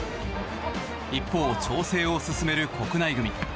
一方、調整を進める国内組。